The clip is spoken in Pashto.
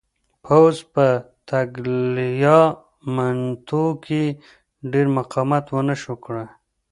پوځ په تګلیامنیتو کې ډېر مقاومت ونه شوای کړای.